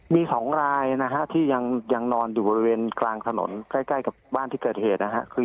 มี๒รายนะฮะที่ยังนอนอยู่บริเวณกลางถนนใกล้กับบ้านที่เกิดเหตุนะฮะ